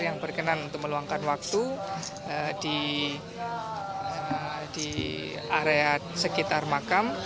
yang berkenan untuk meluangkan waktu di area sekitar makam